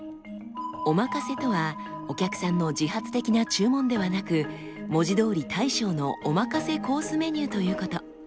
おまかせとはお客さんの自発的な注文ではなく文字どおり大将のおまかせコースメニューということ。